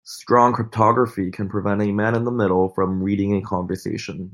Strong cryptography can prevent a man in the middle from reading a conversation.